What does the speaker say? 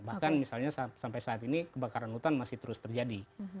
bahkan misalnya sampai saat ini kebakaran hutan masih terus terjadi